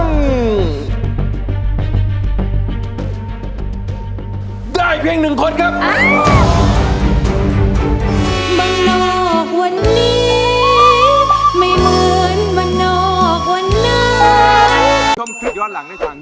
มันนอกวันนี้ไม่เหมือนมันนอกวันนั้น